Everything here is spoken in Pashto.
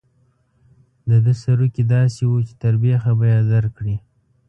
د ده سروکي داسې وو چې تر بېخه به یې درکړي.